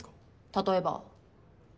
例えば？